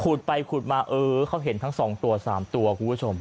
ขูดไปขูดมาเออเค้าเห็นทั้งสองตัวสามตัวคุณผู้ชม